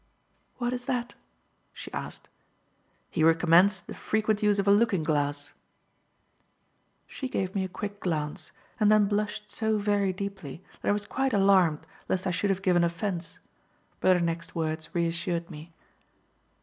"What is that?" she asked. "He recommends the frequent use of a looking glass." She gave me a quick glance and then blushed so very deeply that I was quite alarmed lest I should have given offence. But her next words reassured me.